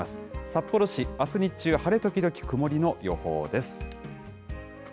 札幌市、あす日中、晴れ時々曇りの予報です。